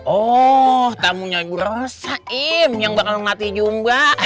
oh tamunya borosa yang bakal melatih jumba